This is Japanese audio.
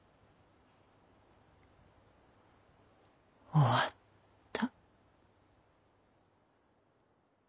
終わった。